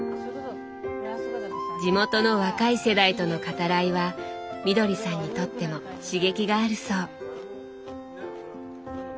地元の若い世代との語らいはみどりさんにとっても刺激があるそう。